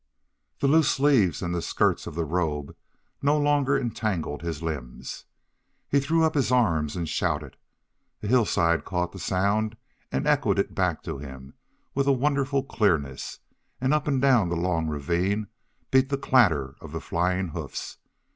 The loose sleeves and the skirts of the robe no longer entangled his limbs. He threw up his arms and shouted. A hillside caught the sound and echoed it back to him with a wonderful clearness, and up and down the long ravine beat the clatter of the flying hoofs.